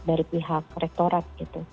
dari pihak rektorat